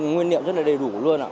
nguyên liệu rất là đầy đủ luôn